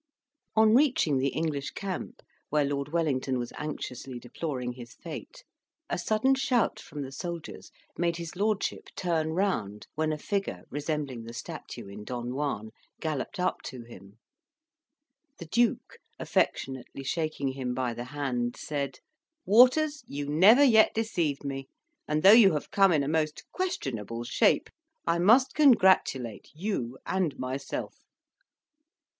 On reaching the English camp, where Lord Wellington was anxiously deploring his fate, a sudden shout from the soldiers made his lordship turn round, when a figure, resembling the statue in "Don Juan," galloped up to him. The duke, affectionately shaking him by the hand, said "Waters, you never yet deceived me; and though you have come in a most questionable shape, I must congratulate you and myself."